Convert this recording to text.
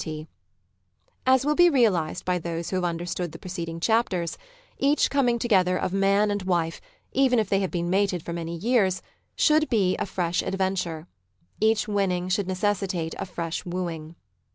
Society 93 As will be realised by those who have understood the preceding chapters, each coming together of man and wife, even if they have been mated for many years, should be a fresh adventure; each winning should necessitate a fresh wooing.